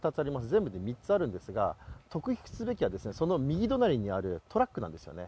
全部で３つあるんですが、特筆すべきはその右隣にあるトラックなんですよね。